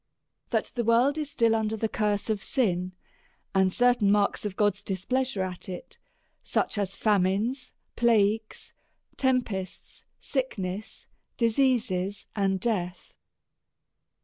That the world is still under the curse of sin and certain marks of God's displeasure at it ; such as famines, plagues, tempests, sickness, diseases, and death.